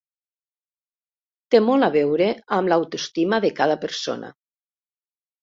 Té molt a veure amb l'autoestima de cada persona.